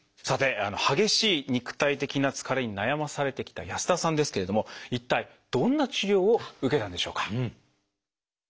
さて激しい肉体的な疲れに悩まされてきた安田さんですけれども一体どんな治療を受けたんでしょうか？